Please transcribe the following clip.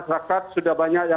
dirologi adalah penjajahan